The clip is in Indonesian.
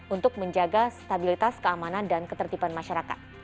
untuk menjaga stabilitas keamanan dan ketertiban masyarakat